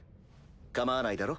かまわないだろ？